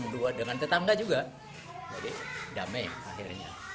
dua dengan tetangga juga jadi damai akhirnya